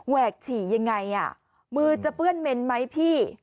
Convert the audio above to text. กฉี่ยังไงอ่ะมือจะเปื้อนเมนไหมพี่